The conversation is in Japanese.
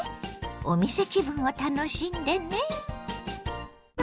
お店気分を楽しんでね。